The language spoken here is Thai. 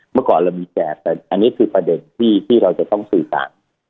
เมื่อก่อนเรามีแจกแต่อันนี้คือประเด็นที่เราจะต้องสื่อสาร